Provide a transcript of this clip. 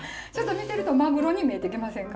見てるとマグロに見えてきませんか？